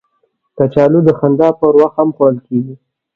کچالو د خندا پر وخت هم خوړل کېږي